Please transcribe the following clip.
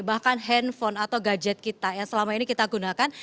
bahkan handphone atau gadget kita yang selama ini kita gunakan